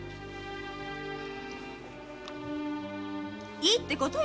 いいってことよ